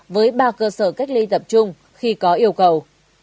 với ba cơ sở cách ly tập trung khi có yêu cầu